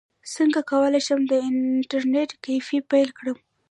څنګه کولی شم د انټرنیټ کیفې پیل کړم